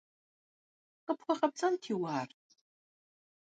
КъыпхуэгъэпцӀэнти уэ ар!